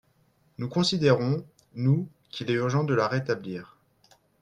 Nous considérons, nous, qu’il est urgent de la rétablir.